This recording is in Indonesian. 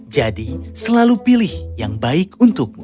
jadi selalu pilih yang baik untukmu